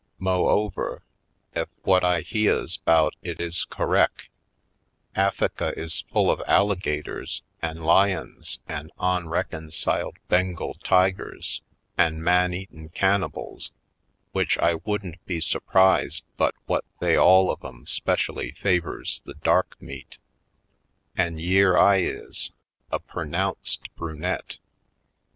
Mo' over, ef whut I heahs 'bout it is correc', Af fika is full of alligators an' lions an' onree 150 /. PoindexteVj Colored onciled Bengal tigers an' man eatin' can nibals, w'ich I wouldn't be surprised but whut they all of 'em 'specially favors the dark meat. An' yere I is, a pernounced brunette!